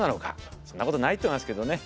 そんなことないと思いますけどね。